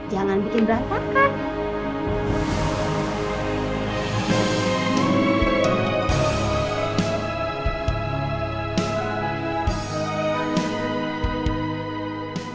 jangan bikin berantakan